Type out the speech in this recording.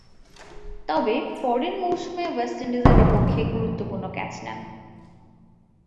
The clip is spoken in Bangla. তবে, পরের মৌসুমে ওয়েস্ট ইন্ডিজের বিপক্ষে গুরুত্বপূর্ণ ক্যাচ নেন।